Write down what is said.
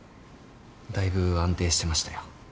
だいぶ安定してましたよ。